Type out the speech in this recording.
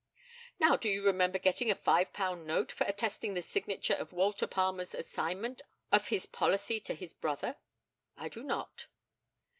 Now, do you remember getting a five pound note for attesting the signature of Walter Palmer's assignment of his policy to his brother? I do not.